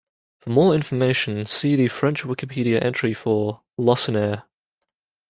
For more information, see the French Wikipedia entry for Lacenaire.